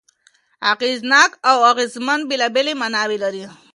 اغېزناک او اغېزمن بېلابېلې ماناوې لري.